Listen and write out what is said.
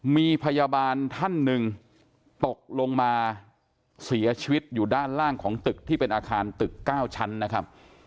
มีพยาบาลท่านหนึ่งตกลงมาเสียชีวิตอยู่ด้านล่างของตึกที่เป็นอาคารตึก๙ชั้นนะครับ